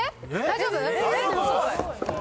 大丈夫？